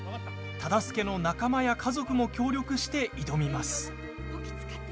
忠相の仲間や家族も協力して挑みます。